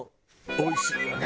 おいしいよね。